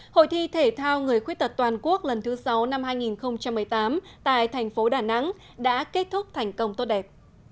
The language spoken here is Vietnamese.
hội thi thể thao người khuyết tật toàn quốc lần thứ sáu năm hai nghìn một mươi tám tại thành phố đà nẵng đã kết thúc thành công tốt đẹp